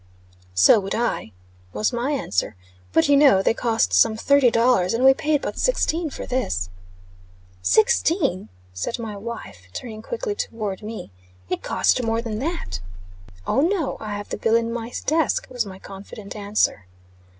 "So would I," was my answer. "But you know they cost some thirty dollars, and we paid but sixteen for this." "Sixteen!" said my wife, turning quickly toward me. "It cost more than that." "Oh, no. I have the bill in my desk," was my confident answer.